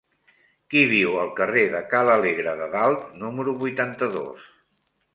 Qui viu al carrer de Ca l'Alegre de Dalt número vuitanta-dos?